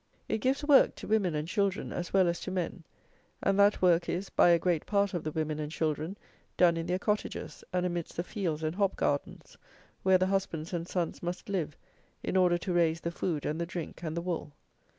It gives work to women and children as well as to men; and that work is, by a great part of the women and children, done in their cottages, and amidst the fields and hop gardens, where the husbands and sons must live, in order to raise the food and the drink and the wool.